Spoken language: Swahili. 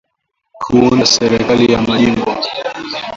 Kuunda serikali ya majimbo